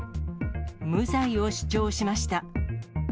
無罪を主張しました。